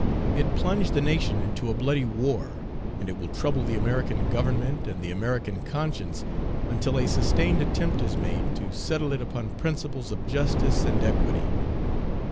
It plunged the nation into a bloody war, and it will trouble the American government and the American conscience until a sustained attempt is made to settle it upon principles of justice and equity.